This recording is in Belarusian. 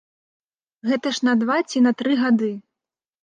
Гэта ж на два ці на тры гады.